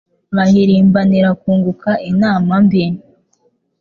Bahirimbanira kunguka inama mbi